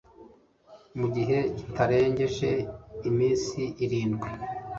mu gihe kitarengeje iminsi irindwi